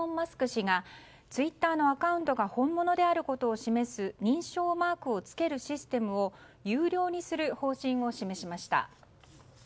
氏がツイッターのアカウントが本物であることを示す認証マークを付けるシステムを有料にする方針を示しました。